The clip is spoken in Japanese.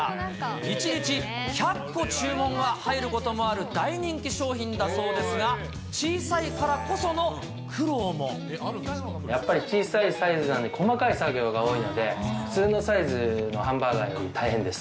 １日１００個注文が入ることもある、大人気商品だそうですが、やっぱり小さいサイズなんで、細かい作業が多いので、普通のサイズのハンバーガーより大変です。